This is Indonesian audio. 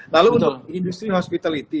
lalu untuk industri hospitality